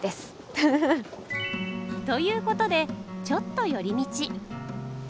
フフ。ということでちょっと寄り道。